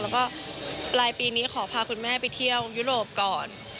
แล้วก็ปลายปีนี้ขอพาคุณแม่ไปเที่ยวยุโรปก่อน